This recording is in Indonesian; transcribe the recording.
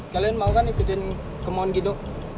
kalian mau kan ikutin kemauan gino